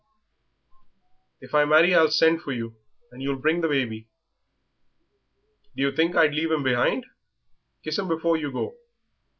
If I marry I'll send for you, and you'll bring the baby." "Do you think I'd leave him behind? Kiss 'im before you go."